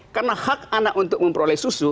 karena hak anak untuk memperoleh susu